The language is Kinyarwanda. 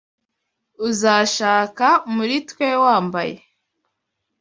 Uzashaka, muri twe wambaye